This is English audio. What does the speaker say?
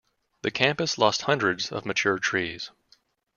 The campus lost hundreds of mature trees.